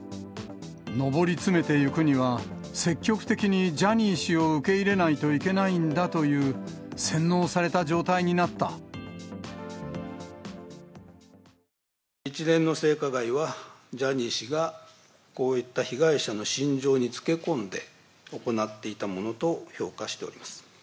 上り詰めていくには、積極的にジャニー氏を受け入れないといけないんだという、洗脳さ一連の性加害は、ジャニー氏が、こういった被害者の心情につけこんで、行っていたものと評価しております。